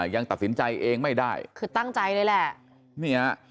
ยังตัดสินใจเองไม่ได้คือตั้งใจเลยแหละนี่ฮะ